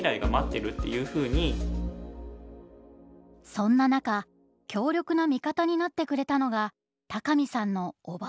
そんな中強力な味方になってくれたのが鷹見さんの伯母。